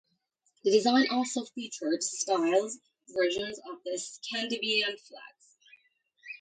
The design also features stylised versions of the Scandinavian flags.